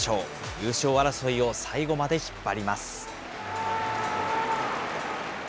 優勝争いを最後まで引っ張ります。